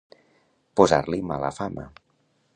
Posar-li mala fama.